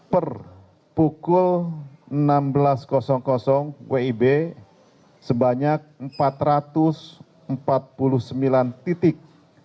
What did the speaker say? per pukul enam belas wib sebanyak empat ratus empat puluh sembilan titik